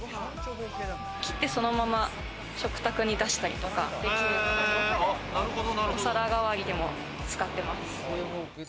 切ってそのまま食卓に出したりとかできるので、お皿代わりにも使ってます。